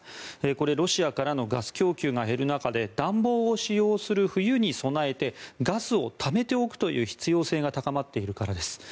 これはロシアからのガス供給が減る中で暖房を使用する冬に備えてガスをためておくという必要性が高まっているからです。